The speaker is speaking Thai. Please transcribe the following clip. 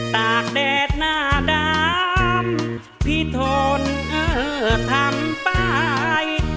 ตากแดดหน้าดำพี่ทนเออทำไป